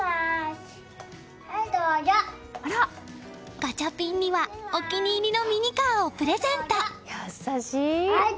ガチャピンにはお気に入りのミニカーをプレゼント。